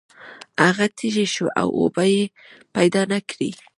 هغه تږی شو او اوبه یې پیدا نه کړې.